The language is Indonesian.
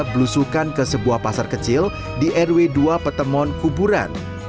belusukan ke sebuah pasar kecil di rw dua petemon kuburan